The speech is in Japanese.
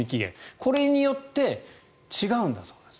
これによって違うんだそうです